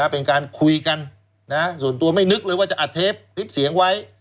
เป็นการคุยกันส่วนตัวไม่นึกเลยว่าจะอัดเทปคลิปเสียงไว้